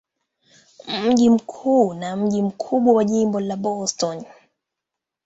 Mji mkuu na mji mkubwa wa jimbo ni Boston.